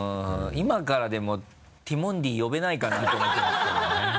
今からでもティモンディ呼べないかなと思ってますけどね。